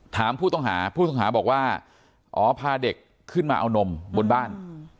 ถามผู้ต้องหาผู้ต้องหาบอกว่าอ๋อพาเด็กขึ้นมาเอานมบนบ้าน